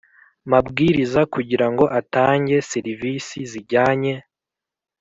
Mabwiriza kugira ngo atange serivisi zijyanye